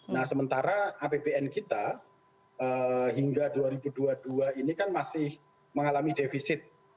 nah sementara apbn kita hingga dua ribu dua puluh dua ini kan masih mengalami defisit